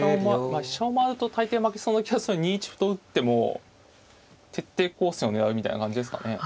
まあ飛車を回ると大抵負けそうな気がするんで２一歩と打っても徹底抗戦を狙うみたいな感じですかね。